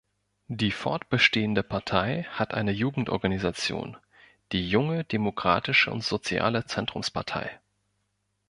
Die fortbestehende Partei hat eine Jugendorganisation, die Junge demokratische und soziale Zentrumspartei.